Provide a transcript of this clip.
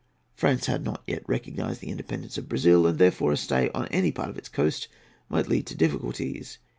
France had not yet recognised the independence of Brazil, and therefore a stay on any part of its coast might lead to difficulties.